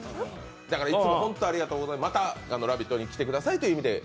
いつも本当にありがとうございます、また「ラヴィット！」に来てくださいという意味で。